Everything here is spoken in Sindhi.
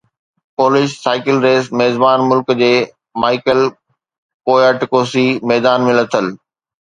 پولش سائيڪل ريس ميزبان ملڪ جي مائيڪل ڪوياٽڪوسڪي ميدان ۾ لٿل